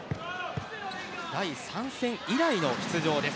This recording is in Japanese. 第３戦以来の出場です。